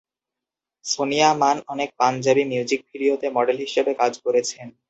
সোনিয়া মান অনেক পাঞ্জাবি মিউজিক ভিডিওতে মডেল হিসেবে কাজ করেছেন।